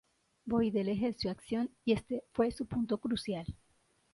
Boydell ejerció acción, y este fue su punto crucial.